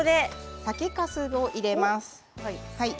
酒かすを入れます。